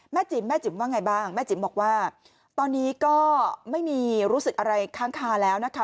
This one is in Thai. จิ๋มแม่จิ๋มว่าไงบ้างแม่จิ๋มบอกว่าตอนนี้ก็ไม่มีรู้สึกอะไรค้างคาแล้วนะคะ